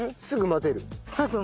すぐ混ぜる。